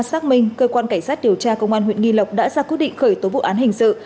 xác minh cơ quan cảnh sát điều tra công an huyện nghi lộc đã ra quyết định khởi tố vụ án hình sự